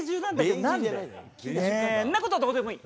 そんな事どうでもいい！